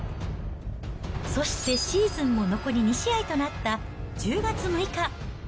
そしてシーズンも残り２試合となった１０月６日。